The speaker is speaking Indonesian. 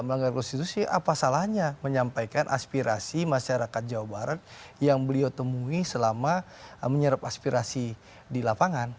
melanggar konstitusi apa salahnya menyampaikan aspirasi masyarakat jawa barat yang beliau temui selama menyerap aspirasi di lapangan